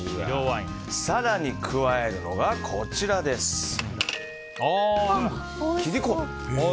更に加えるのが、切り昆布。